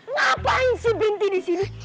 ngapain si binti disini